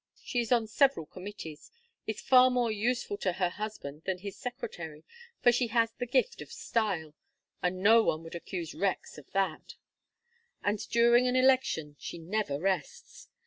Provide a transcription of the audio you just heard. She is on several committees, is far more useful to her husband than his secretary, for she has the gift of style and no one would accuse Rex of that and during an election she never rests.